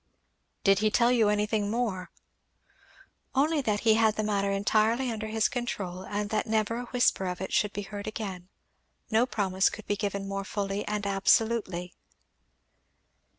"Did he tell you anything more?" "Only that he had the matter entirely under his control and that never a whisper of it should be heard again, No promise could be given more fully and absolutely."